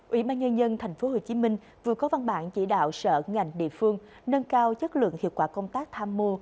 ủy ban nhân dân tp hcm vừa có văn bản chỉ đạo sở ngành địa phương nâng cao chất lượng hiệu quả công tác tham mưu